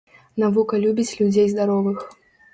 Навука любіць людзей здаровых.